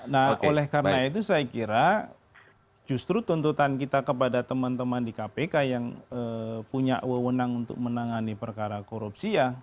nah oleh karena itu saya kira justru tuntutan kita kepada teman teman di kpk yang punya wewenang untuk menangani perkara korupsi ya